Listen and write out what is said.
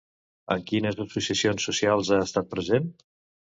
En quines associacions socials ha estat present?